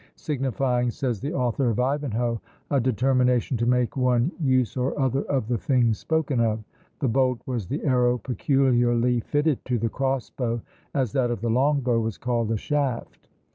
signifying, says the author of Ivanhoe, a determination to make one use or other of the thing spoken of: the bolt was the arrow peculiarly fitted to the cross bow, as that of the long bow was called a shaft.